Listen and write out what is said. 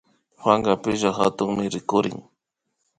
Pankapika hatunmi rikurin